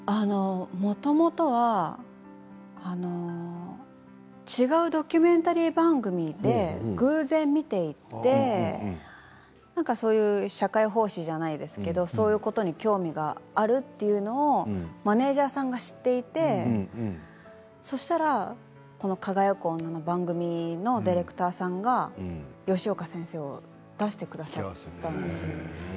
もともとは違うドキュメンタリー番組で偶然見ていて社会奉仕じゃないですけどそういうことに興味があるというのをマネージャーさんが知っていてそうしたら「輝く女」の番組のディレクターさんが吉岡先生を出してくださったんですよ。